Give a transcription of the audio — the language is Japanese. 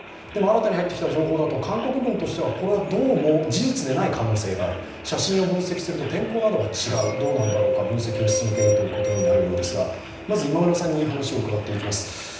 でも新たに入ってきた情報だと韓国軍としてはこれはどうも事実でない可能性がある写真を分析すると、天候などが違うどうなんだろうか、分析を進めているということになるようですが、まず今村さんに話を伺っていきます。